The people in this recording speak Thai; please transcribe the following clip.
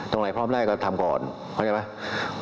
ตรงไหนพร้อมได้ก็ทำก่อนเข้าใจไหม